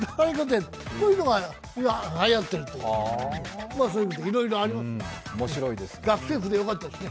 こういうのが、今はやっているという、いろいろありますね。